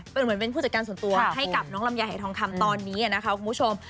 เป็นผู้จัดการส่วนตัวให้กับน้องลำไยไหยทองคำตอนนี้อ่ะนะคะคุณผู้ชม